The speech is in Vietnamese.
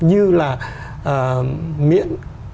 như là miễn